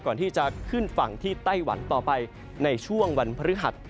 ก่อนที่จะขึ้นฝั่งที่ไต้หวันต่อไปในช่วงวันพฤหัส